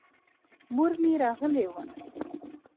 مور مې غلې وه.